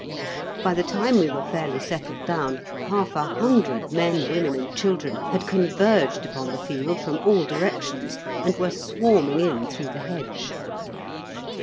By the time we were fairly settled down, half a hundred men, women, and children had converged upon the field from all directions, and were swarming in through the hedge.